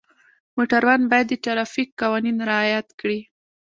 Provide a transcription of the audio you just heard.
موټروان باید د ټرافیک قوانین رعایت کړي.